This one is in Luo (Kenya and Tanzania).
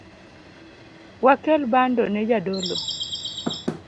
Wakel bando ne jadolo